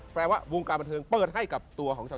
แปลว่าวงการบันเทิงเปิดให้กับตัวของชาว